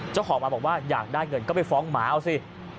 เจ้าของมาบอกว่าอยากได้เงินก็ไปฟ้องหมาเอาสิ